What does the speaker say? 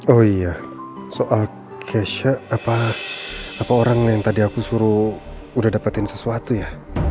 oh iya soal kesha apa orang yang tadi aku suruh udah dapetin sesuatu ya